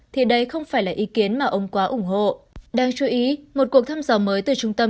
thì đây không phải là ý kiến mà ông quá ủng hộ đáng chú ý một cuộc thăm dò mới từ trung tâm